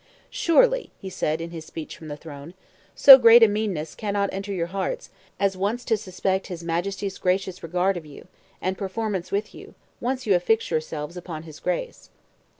"Surely," he said in his speech from the throne, "so great a meanness cannot enter your hearts, as once to suspect his Majesty's gracious regard of you, and performance with you, once you affix yourselves upon his grace."